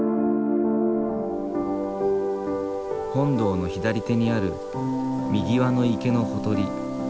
本堂の左手にある汀の池のほとり。